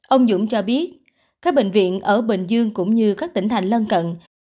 ông dũng cho biết các bệnh viện ở bình dương cũng như các tỉnh thành lân cận